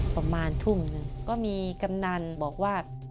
ประมาณทุ่มก็มีกำดันบอกว่า